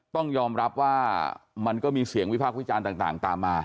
ต้องยอมรับว่ามันก็มีเสียงวิพากษ์วิจารณ์ต่างตามมา